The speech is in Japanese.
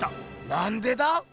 なんでだ？